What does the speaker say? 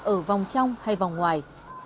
ở vòng trong hay vòng ngoài